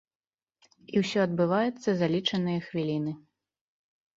І ўсе адбываецца за лічаныя хвіліны.